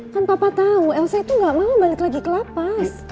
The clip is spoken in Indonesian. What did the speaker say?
kan papa tau elsa itu gak mau balik lagi ke la paz